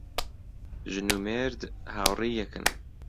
ژن و مێرد هاوڕێی یەکن